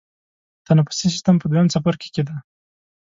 تنفسي سیستم په دویم څپرکي کې دی.